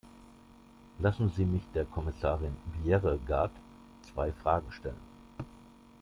Lassen Sie mich der Kommissarin Bjerregaard zwei Fragen stellen.